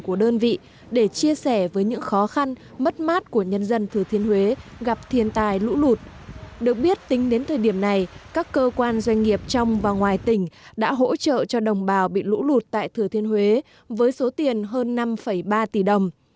các cơ quan doanh nghiệp trong và ngoài tỉnh đã hỗ trợ cho đồng bào bị lũ lụt tại thừa thiên huế với số tiền hơn năm ba tỷ đồng